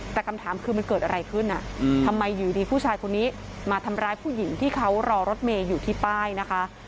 แต่คำถามคือมันเกิดอะไรขึ้นทำไมอยู่ดีผู้ชายคนนี้มาทำร้ายผู้หญิงที่เขารอรถเมย์อยู่ที่ป้ายนะคะ